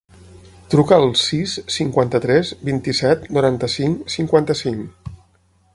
Truca al sis, cinquanta-tres, vint-i-set, noranta-cinc, cinquanta-cinc.